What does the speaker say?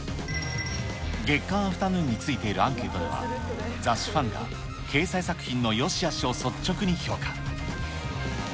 月刊アフタヌーンに付いているアンケートには、雑誌ファンが掲載作品のよしあしを率直に評価。